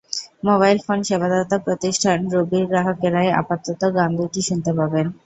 Mobile phone সেবাদাতা প্রতিষ্ঠান রবির গ্রাহকেরাই আপাতত গান দুটি শুনতে পাবেন।